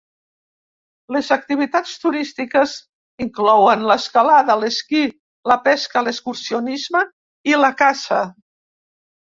Les activitats turístiques inclouen l'escalada, l'esquí, la pesca, l'excursionisme i la caça.